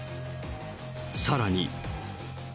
さらに。